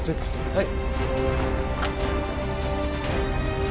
はい。